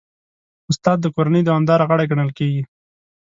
استاد د کورنۍ دوامدار غړی ګڼل کېږي.